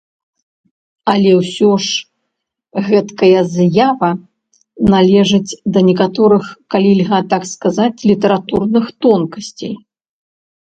Але ўсё ж гэтакая з'ява належыць да некаторых, калі льга так сказаць, літаратурных тонкасцей.